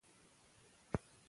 که مینه وي نو ټولګی نه خفه کیږي.